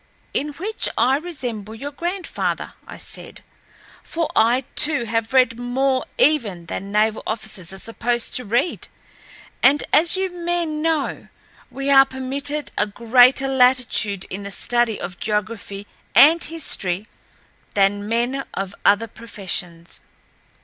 "In which I resemble your grandfather," I said, "for I, too, have read more even than naval officers are supposed to read, and, as you men know, we are permitted a greater latitude in the study of geography and history than men of other professions.